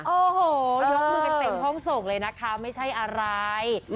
โอ้โหยกมือกันเป็นห้องส่งเลยนะคะไม่ใช่อะไร